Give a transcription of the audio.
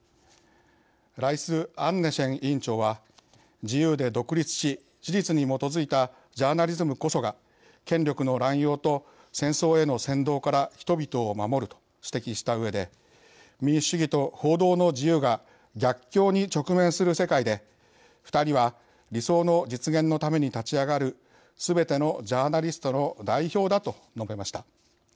ライスアンネシェン委員長は「自由で独立し、事実に基づいたジャーナリズムこそが権力の乱用と戦争への扇動から人々を守る」と指摘したうえで「民主主義と報道の自由が逆境に直面する世界で、２人は理想の実現のために立ち上がるすべてのジャーナリストの代表だ」と述べました。